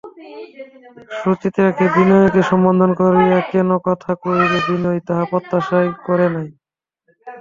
সুচরিতা বিনয়কে সম্বোধন করিয়া কোনো কথা কহিবে বিনয় তাহা প্রত্যাশাই করে নাই।